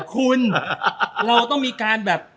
คุณเราต้องมีการแบบ